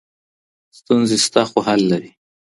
ستونزي سته خو حل لري.